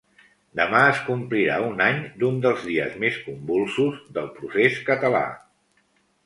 Demà es complirà un any d’un dels dies més convulsos del procés català.